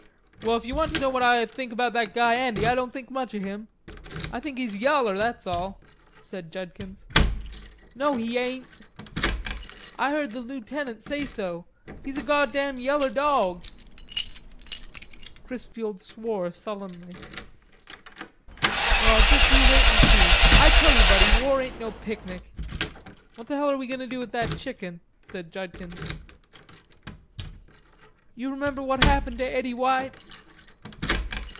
"Well, if you want to know what I think about that guy Andy I don't think much of him. I think he's yaller, that's all," said Judkins. "No, he ain't." "I heard the lootenant say so. He's a goddam yeller dawg." Chrisfield swore sullenly. "Well, you juss wait 'n see. I tell you, buddy, war ain't no picnic." "What the hell are we goin' to do with that chicken?" said Judkins. "You remember what happened to Eddie White?"